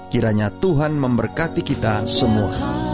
kiranya tuhan memberkati kita semua